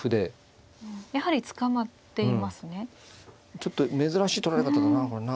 ちょっと珍しい取られ方だなこれな。